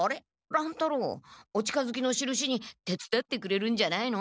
乱太郎お近づきのしるしに手つだってくれるんじゃないの？